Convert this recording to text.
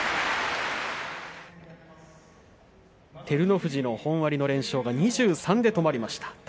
照ノ富士の本割の連勝が２３で止まりました。